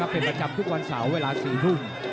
เป็นประจำทุกวันเสาร์เวลา๔ทุ่ม